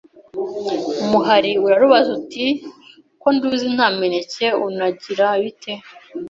Umuhari urarubaza uti ko nduzi nta mineke unagira bite